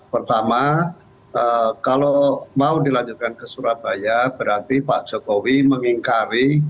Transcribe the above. pertama kalau mau dilanjutkan ke surabaya berarti pak jokowi mengingkari